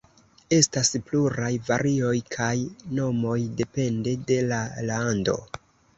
Estas pluraj varioj kaj nomoj, depende de la lando.